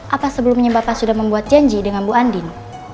apa sebelumnya bapak sudah membuat janji dengan bu andin